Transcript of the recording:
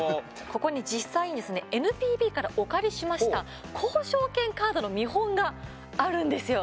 ここに実際にＮＰＢからお借りしました交渉権カードの見本があるんですよ。